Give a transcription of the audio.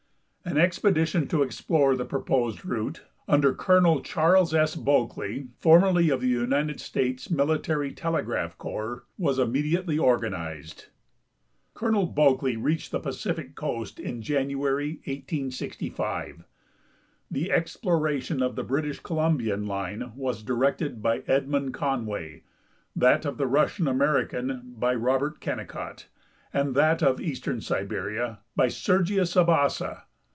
An expedition to explore the proposed route, under Col, Chas. S. Eulkley, formerly of the United States military telegraph corps, was immediately organized. Col. Eulkley reached the Pacific coast in January, 1865. The exploration of the Eritish Colum bian line was directed b}'' Edmund Conway, that of Russian America h}^ Robert Kennicott and that of eastern Siberia by Sergius Ahasa.